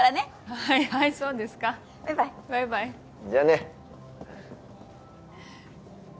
はいはいそうですかバイバイバイバイじゃあね